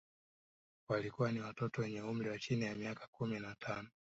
Walikuwa ni watoto wenye umri wa chini ya miaka kumi na tano